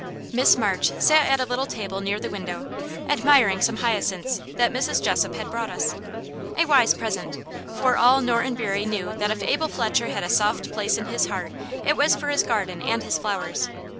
Miss March sat at a little table near the window, admiring some hyacinths that Mrs. Jessop had brought us. A wise present: for all Norton Bury knew that if Abel Fletcher had a soft place in his heart it was for his garden and his flowers.